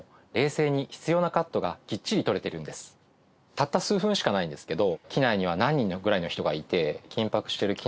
たった数分しかないんですけど。